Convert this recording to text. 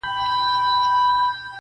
• څوک به څرنګه ځان ژغوري له شامته -